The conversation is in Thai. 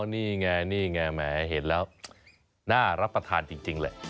นี่ไงนี่ไงแหมเห็นแล้วน่ารับประทานจริงแหละ